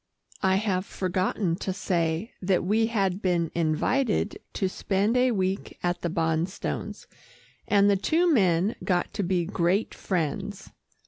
(I have forgotten to say that we had been invited to spend a week at the Bonstones, and the two men got to be great friends.)